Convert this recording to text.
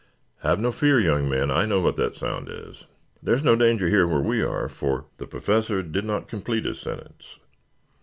"Have no fear, young men. I know what that sound is. There is no danger here where we are, for " The Professor did not complete his sentence.